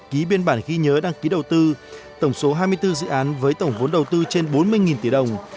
ký biên bản ghi nhớ đăng ký đầu tư tổng số hai mươi bốn dự án với tổng vốn đầu tư trên bốn mươi tỷ đồng